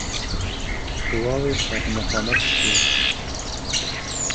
قواوې سره مخامخ شوې.